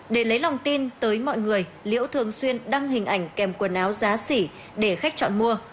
để lấy lòng tin tới mọi người liễu thường xuyên đăng hình ảnh kèm quần áo giá xỉ để khách chọn mua